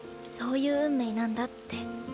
そういう運命なんだって。